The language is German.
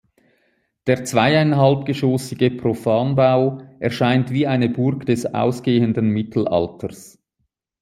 Der zweieinhalbgeschossige Profanbau erscheint wie eine Burg des ausgehenden Mittelalters.